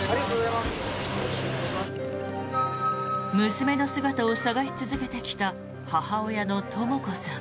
娘の姿を探し続けてきた母親のとも子さん。